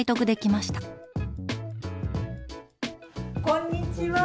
こんにちは。